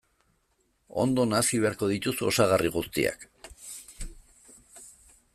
Ondo nahasi beharko dituzu osagarri guztiak.